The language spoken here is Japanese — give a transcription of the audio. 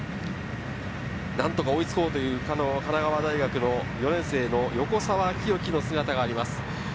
何とか追いつこうという神奈川大学の４年生の横澤清己の姿があります。